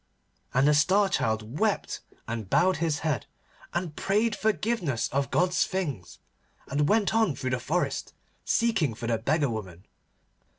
And the Star Child wept and bowed his head, and prayed forgiveness of God's things, and went on through the forest, seeking for the beggar woman.